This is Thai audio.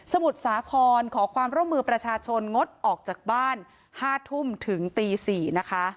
มุทรสาครขอความร่วมมือประชาชนงดออกจากบ้าน๕ทุ่มถึงตี๔นะคะ